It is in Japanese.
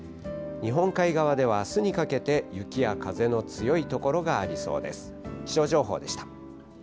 日本海側ではあすにかけて、雪や風の強い所がありそうです。